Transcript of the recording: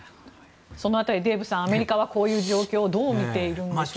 その辺りデーブさん、アメリカはこの状況をどうみているんでしょうか。